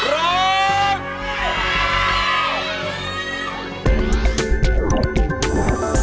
ร้อง